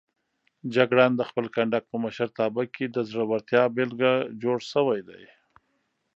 جګړن د خپل کنډک په مشرتابه کې د زړورتیا بېلګه جوړ شوی دی.